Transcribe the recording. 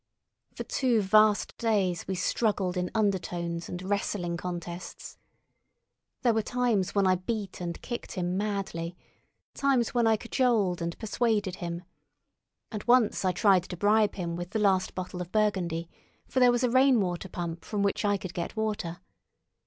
For two vast days we struggled in undertones and wrestling contests. There were times when I beat and kicked him madly, times when I cajoled and persuaded him, and once I tried to bribe him with the last bottle of burgundy, for there was a rain water pump from which I could get water.